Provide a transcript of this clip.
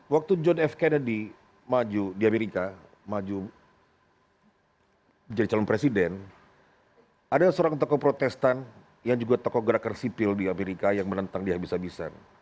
waktu john f kennedy maju di amerika maju menjadi calon presiden ada seorang tokoh protestan yang juga tokoh gerakan sipil di amerika yang menentang dia habis habisan